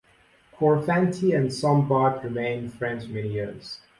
Korfanty and Sombart remained friends for many years.